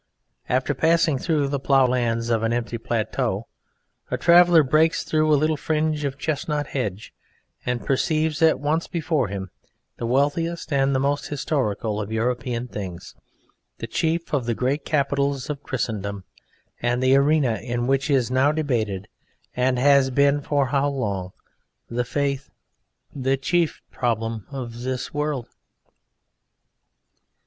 After passing through the plough lands of an empty plateau, a traveller breaks through a little fringe of chestnut hedge and perceives at once before him the wealthiest and the most historical of European things, the chief of the great capitals of Christendom and the arena in which is now debated (and has been for how long!) the Faith, the chief problem of this world.